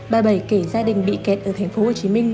bà bảy kể gia đình bị kẹt ở tp hcm